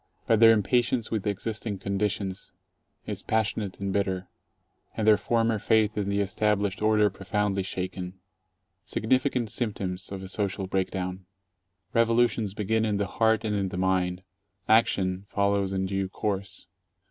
But their impatience with existing conditions is passionate and bitter, and their former faith in the established order profoundly shaken. Significant symptoms of a social breakdown! Revolutions begin in the heart and in the mind. Action follows in due course.